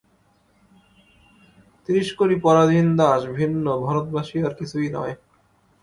ত্রিশকোটি পরাধীন দাস ভিন্ন ভারতবাসী আর কিছুই নয়।